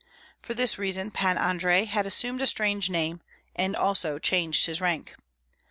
For this reason Pan Andrei had assumed a strange name, and also changed his rank.